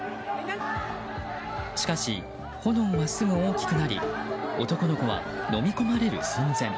しかし、炎はすぐ大きくなり男の子はのみ込まれる寸前。